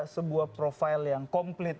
sebuah profil yang komplit